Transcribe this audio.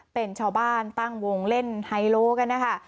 เป็นชาวบ้านตั้งวงเล่นไฮโลกันนะคะ